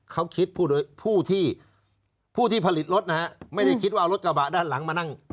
เขาคิดผู้โดยผู้ที่ผู้ที่ผลิตรถนะฮะไม่ได้คิดว่าเอารถกระบะด้านหลังมานั่ง